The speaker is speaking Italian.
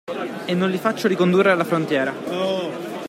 E non li faccio ricondurre alla frontiera.